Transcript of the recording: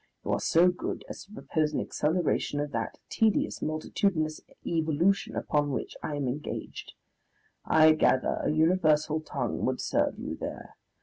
You are so good as to propose an acceleration of that tedious multitudinous evolution upon which I am engaged. I gather, a universal tongue would serve you there.